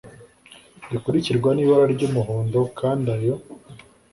Rikurikirwa n’ibara ry’umuhondo, kandi ayo